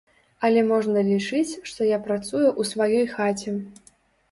Але можна лічыць, што я працую ў сваёй хаце.